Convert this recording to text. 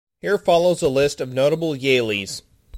Here follows a list of notable Yalies.